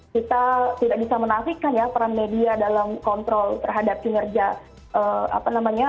kita tidak bisa menafikan ya peran media dalam kontrol terhadap kinerja apa namanya